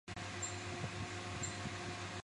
疣柄美喙藓为青藓科美喙藓属下的一个种。